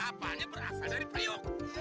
apanya berasal dari periuk